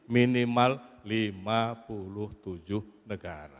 minimal lima puluh tujuh negara